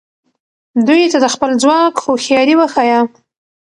دوی ته د خپل ځواک هوښیاري وښایه.